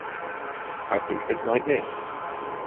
I think of it like this.